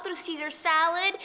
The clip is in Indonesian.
terus caesar salad